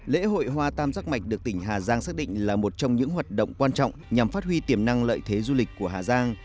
lễ hội hoa tam giác mạch được tỉnh hà giang xác định là một trong những hoạt động quan trọng nhằm phát huy tiềm năng lợi thế du lịch của hà giang